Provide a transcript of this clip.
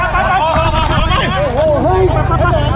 สวัสดีครับทุกคน